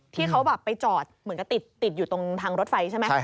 ที่เขาแบบไปจอดเหมือนกับติดอยู่ตรงทางรถไฟใช่ไหม